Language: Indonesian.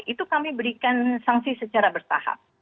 itu kami berikan sanksi secara bertahap